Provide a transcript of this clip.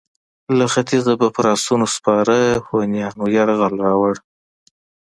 له ختیځه به پر اسونو سپاره هونیانو یرغل راووړ.